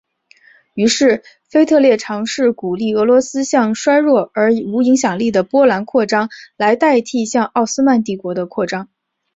于是腓特烈尝试鼓励俄罗斯向衰弱而无影响力的波兰扩张来代替向奥斯曼帝国的扩张。